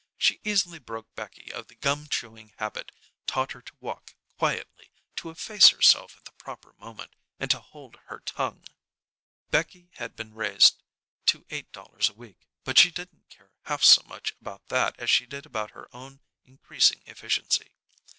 She easily broke Becky of the gum chewing habit, taught her to walk quietly, to efface herself at the proper moment, and to hold her tongue. Becky had been raised to eight dollars a week; but she didn't care half so much about that as she did about her own increasing efficiency.